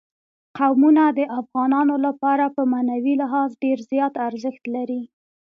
قومونه د افغانانو لپاره په معنوي لحاظ ډېر زیات ارزښت لري.